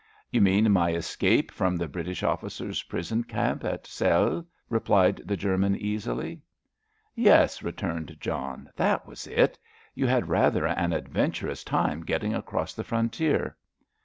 "You mean my escape from the British officers' prison camp at Celle," replied the German, easily. "Yes," returned John, "that was it. You had rather an adventurous time getting across the frontier."